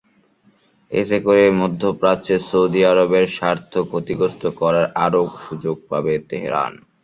এতে করে মধ্যপ্রাচ্যে সৌদি আরবের স্বার্থ ক্ষতিগ্রস্ত করার আরও সুযোগ পাবে তেহরান।